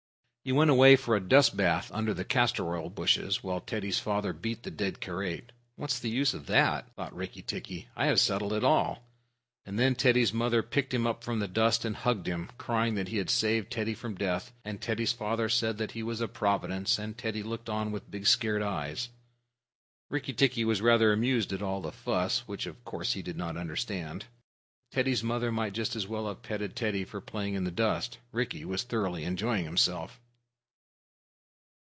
He went away for a dust bath under the castor oil bushes, while Teddy's father beat the dead Karait. "What is the use of that?" thought Rikki tikki. "I have settled it all;" and then Teddy's mother picked him up from the dust and hugged him, crying that he had saved Teddy from death, and Teddy's father said that he was a providence, and Teddy looked on with big scared eyes. Rikki tikki was rather amused at all the fuss, which, of course, he did not understand. Teddy's mother might just as well have petted Teddy for playing in the dust. Rikki was thoroughly enjoying himself.